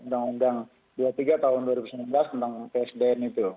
undang undang dua puluh tiga tahun dua ribu sembilan belas tentang psdn itu